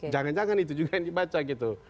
jangan jangan itu juga yang dibaca gitu